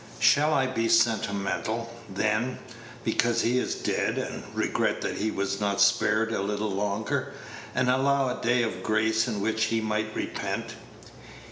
Shall I be sentimental, then, because he is dead, and regret that he was not spared a little longer, and allowed a day of grace in which he might repent?